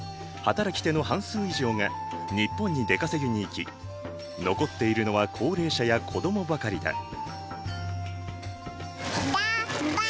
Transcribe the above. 働き手の半数以上が日本に出稼ぎに行き残っているのは高齢者や子供ばかりだ。